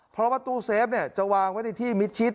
เพราะว่าตู้เซฟจะวางไว้ในที่มิดชิด